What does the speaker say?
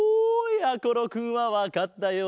やころくんはわかったようだぞ。